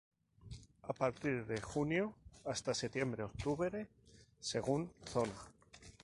A partir de junio hasta septiembre-octubre, según zona.